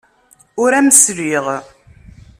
Ur am-sliɣ.